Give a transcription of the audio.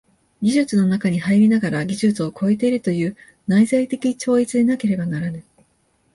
技術の中に入りながら技術を超えているという内在的超越でなければならぬ。